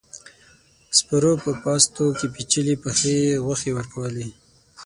سپرو په پاستو کې پيچلې پخې غوښې ورکولې.